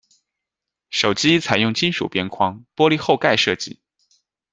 手机采用金属边框、玻璃后盖设计。